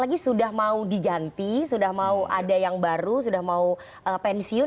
jadi sudah mau diganti sudah mau ada yang baru sudah mau pensiun